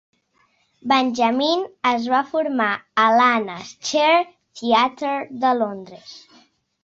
Benjamin es va formar a l'Anna Scher Theatre de Londres.